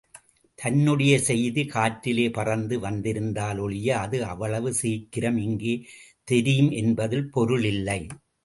தன்னுடைய செய்தி காற்றிலே பறந்து வந்திருந்தால் ஒழிய, அது அவ்வளவு சீக்கிரம் இங்கே தெரியும் என்பதில் பொருள் இல்லை.